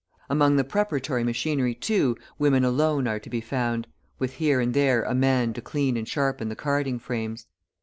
Among the preparatory machinery, too, women alone are to be found, with here and there a man to clean and sharpen the carding frames.